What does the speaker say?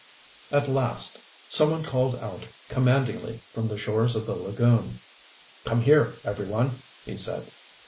At last some one called out commandingly from the shores of the lagoon. "Come here, every one," he said.